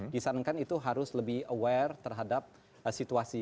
disarankan itu harus lebih aware terhadap situasi